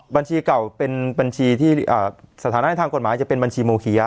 บัญชีเก่าเป็นบัญชีที่สถานะทางกฎหมายจะเป็นบัญชีโมเคีย